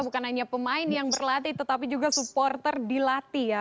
bukan hanya pemain yang berlatih tetapi juga supporter dilatih ya